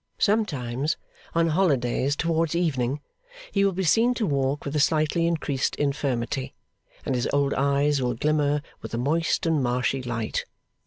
Sometimes, on holidays towards evening, he will be seen to walk with a slightly increased infirmity, and his old eyes will glimmer with a moist and marshy light.